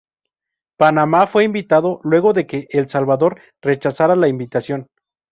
Panamá fue invitado luego de que El Salvador rechazara la invitación.